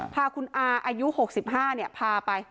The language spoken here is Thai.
พาคุณอาอายุ๖๕พาไป